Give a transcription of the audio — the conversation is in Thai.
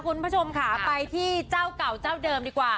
คุณผู้ชมค่ะไปที่เจ้าเก่าเจ้าเดิมดีกว่า